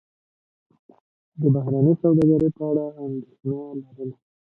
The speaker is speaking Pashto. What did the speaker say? د بهرنۍ سوداګرۍ په اړه اندېښنه لرله.